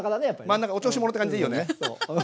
真ん中お調子者って感じでいいよね。